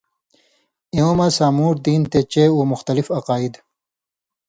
ایوں مہ سامُوٹھ دین تھی چے اُو مُختلِف عقائد